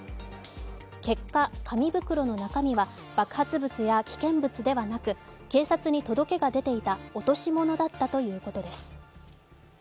結果、紙袋の中身は爆発物や危険物ではなく警察に届けが出ていた落とし物だったということです。